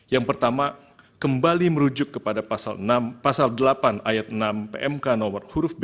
yang pertama kembali merujuk kepada pasal delapan ayat enam pmk nomor huruf b